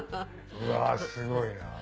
うわすごいな。